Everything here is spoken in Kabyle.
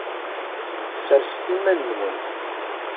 Sserset iman-nwen.